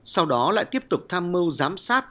sau đó lại tiếp tục tham mưu giám sát